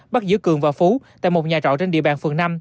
bắt giữ cường và phú tại một nhà trọ trên địa bàn phường năm